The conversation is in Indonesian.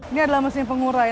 ini adalah masing masing